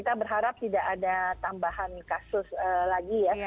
terharap tidak ada tambahan kasus lagi ya